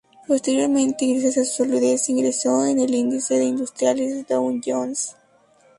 Posteriormente, y gracias a su solidez, ingresó en el índice de industriales Dow Jones.